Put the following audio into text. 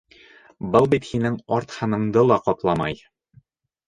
Был бит һинең арт һыныңды ла ҡапламай!